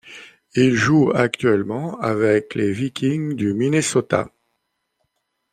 Il joue actuellement avec les Vikings du Minnesota.